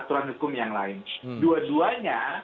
aturan hukum yang lain dua duanya